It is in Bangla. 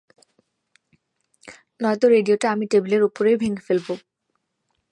নয়ত রেডিওটা আমি টেবিলের উপরেই ভেংগে ফেলব!